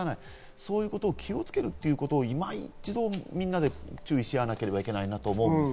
そういうことを気をつけるということを今一度、みんなで注意し合わなければいけないなと思います。